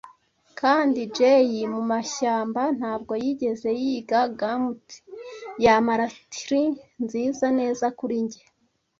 Kandi jay mumashyamba ntabwo yigeze yiga gamut, yamara trill nziza neza kuri njye,